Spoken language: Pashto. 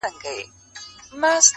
گواکي موږ به تل له غم سره اوسېږو.!